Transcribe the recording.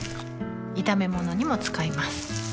炒め物にも使います